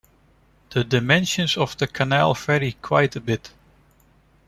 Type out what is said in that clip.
The dimensions of the canal vary quite a bit.